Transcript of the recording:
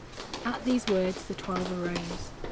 At these words the twelve arose.